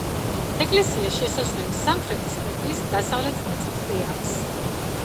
ეკლესიას შესასვლელი სამხრეთის კედლის დასავლეთ ნაწილში აქვს.